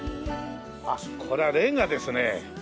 あっこれはレンガですね